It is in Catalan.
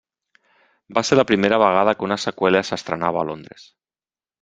Va ser la primera vegada que una seqüela s'estrenava a Londres.